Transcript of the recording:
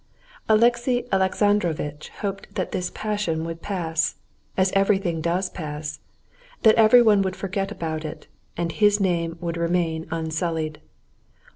Alexey Alexandrovitch hoped that this passion would pass, as everything does pass, that everyone would forget about it, and his name would remain unsullied.